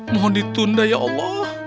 mohon ditunda ya allah